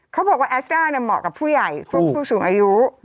เขาบอกว่าแอสต้าเนี่ยเหมาะกับผู้ใหญ่พวกผู้สูงอายุ